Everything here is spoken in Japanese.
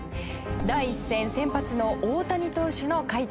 第１戦先発の大谷投手の快投。